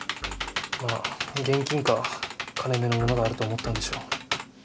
まあ現金か金めのものがあると思ったんでしょう。